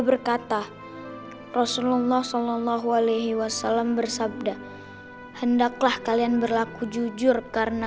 berkata rasulullah shallallahu alaihi wasallam bersabda hendaklah kalian berlaku jujur karena